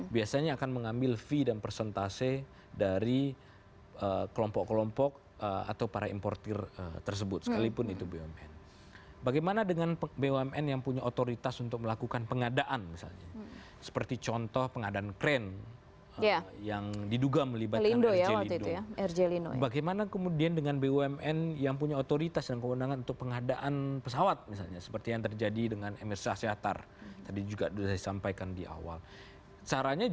maka dapat dipastikan komisarisnya